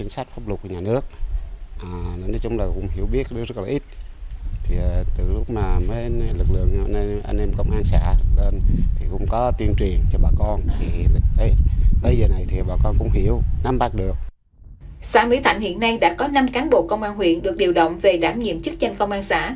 xã mỹ thạnh hiện nay đã có năm cán bộ công an huyện được điều động về đảm nhiệm chức danh công an xã